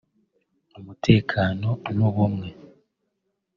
umutekano n’ubumwe